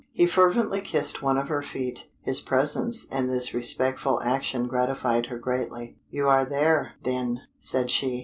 He fervently kissed one of her feet; his presence and this respectful action gratified her greatly. "You are there, then," said she.